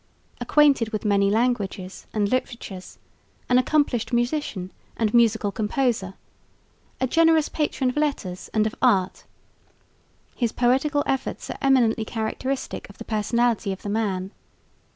Acquainted with many languages and literatures, an accomplished musician and musical composer, a generous patron of letters and of art, his poetical efforts are eminently characteristic of the personality of the man.